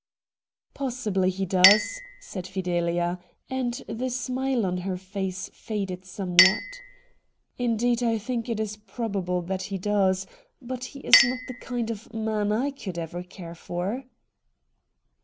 'Possibly he does,' said Fidelia, and the smile on her face faded somewhat. ' Indeed, I think it is probable that he does, but he is not the kind of man I could ever care for.'